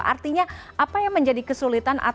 artinya apa yang menjadi kesulitan